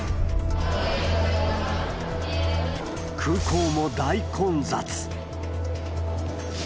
空港も大混雑。